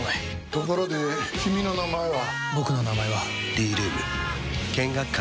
ところで君の名前は？